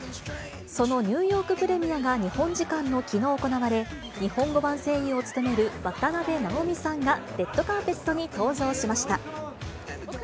そのニューヨークプレミアが日本時間のきのう、行われ、日本語版声優を務める渡辺直美さんがレッドカーペットに登場しました。